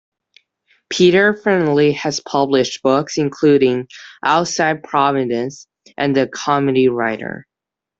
Peter Farrelly has published books including "Outside Providence" and "The Comedy Writer".